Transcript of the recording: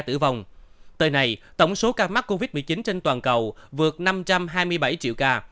trong đó trên đất nước tổng số ca mắc covid một mươi chín trên toàn cầu vượt năm trăm hai mươi bảy triệu ca